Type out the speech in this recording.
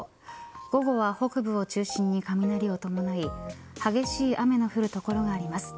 午後は北部を中心に雷を伴い激しい雨の降る所があります。